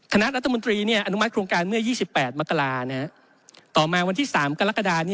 คณะรัฐมนตรีอนุมัติโครงการเมื่อ๒๘มกราต่อมาวันที่๓กรกฎา